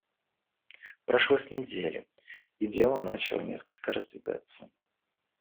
Прошло с неделю, и дело начало несколько раздвигаться.